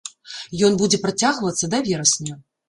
Ён будзе працягвацца да верасня.